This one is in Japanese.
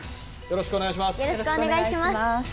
よろしくお願いします。